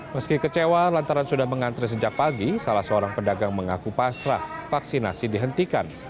meski kecewa lantaran sudah mengantri sejak pagi salah seorang pedagang mengaku pasrah vaksinasi dihentikan